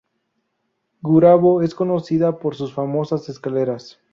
Gurabo es conocido por sus famosas escaleras.